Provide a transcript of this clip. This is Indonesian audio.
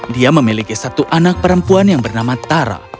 dia memiliki satu anak perempuan yang bernama tara